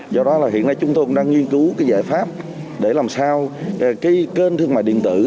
do đó là hiện nay chúng tôi cũng đang nghiên cứu cái giải pháp để làm sao cái kênh thương mại điện tử